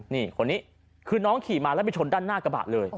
นี่คนนี้คือน้องขี่มาแล้วไปชนด้านหน้ากระบะเลย